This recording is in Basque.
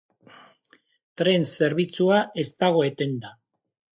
Tren-zerbitzua ez dago etenda.